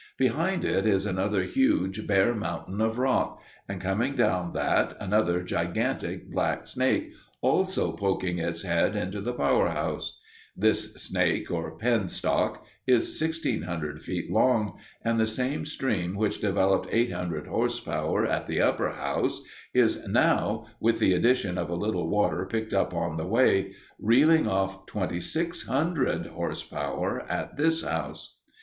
Behind it is another huge, bare mountain of rock; and coming down that, another gigantic black snake, also poking its head into the power house. This snake or penstock is 1600 feet long, and the same stream which developed 800 horse power at the upper house is now with the addition of a little water picked up on the way reeling off 2600 horse power at this house.